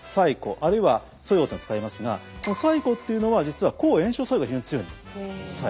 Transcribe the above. あるいは蘇葉っていうのを使いますがこの柴胡っていうのは実は抗炎症作用が非常に強いんです。